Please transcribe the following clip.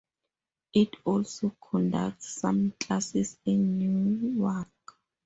It also conducts some classes in Newark.